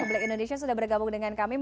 publik indonesia sudah bergabung dengan kami